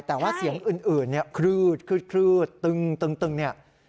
แต่ว่าเสียงอื่นคืดตึงเนี่ย